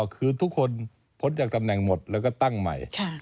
คือทุกคนพ้นจากตำแหน่งหมดแล้วก็ตั้งใหม่